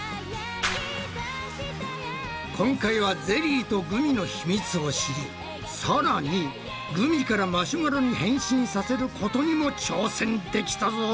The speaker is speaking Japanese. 今回はゼリーとグミのヒミツを知りさらにグミからマシュマロに変身させることにも挑戦できたぞ！